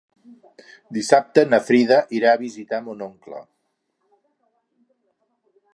Dissabte na Frida irà a visitar mon oncle.